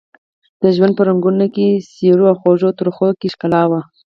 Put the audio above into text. د ژوند په رنګونو، څېرو او خوږو او ترخو کې ښکلا وه.